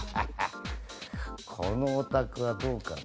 このお宅はどうかな？